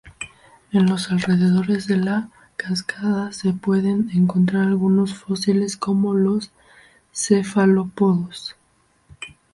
En los alrededores de la cascada se pueden encontrar algunos fósiles como los cefalópodos.